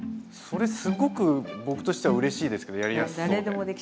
それすごく僕としてはうれしいですけどやりやすそうで。